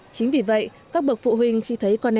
chính vì vậy các bậc phụ huynh khi thấy tiến triển nhanh